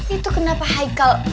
itu kenapa haikal